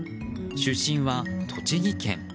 出身は栃木県。